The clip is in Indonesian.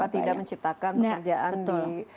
tidak menciptakan pekerjaan di